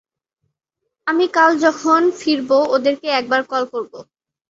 আমি কাল যখন ফিরবো ওদেরকে একবার কল করবো।